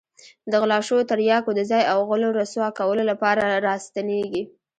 د غلا شوو تریاکو د ځای او غلو رسوا کولو لپاره را ستنېږي.